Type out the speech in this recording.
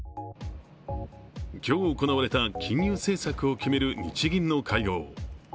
今日行われた金融政策を決める日銀の会合。